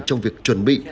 trong việc chuẩn bị